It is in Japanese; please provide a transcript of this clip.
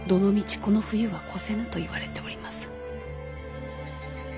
この冬は越せぬといわれております。